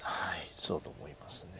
そうだと思います。